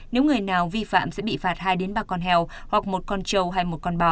nếu người nào vi phạm sẽ bị phạt hai ba con heo hoặc một con trâu hay một con bò